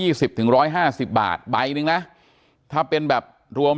อ๋อเจ้าสีสุข่าวของสิ้นพอได้ด้วย